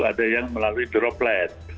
ada yang melalui droplet